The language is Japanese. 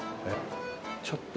ちょっと。